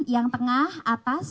yang tengah atas